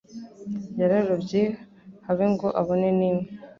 Yararobye habe ngo abone n'imwe